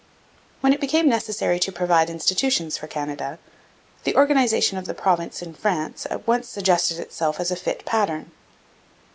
When it became necessary to provide institutions for Canada, the organization of the province in France at once suggested itself as a fit pattern.